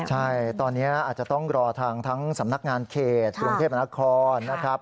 ใช่ตอนนี้อาจจะต้องรอทางทั้งสำนักงานเขตกรุงเทพมนาคอนนะครับ